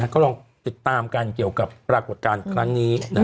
ก็ลองติดตามกันเกี่ยวกับปรากฏการณ์ครั้งนี้